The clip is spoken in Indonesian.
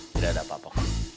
tidak ada apa apa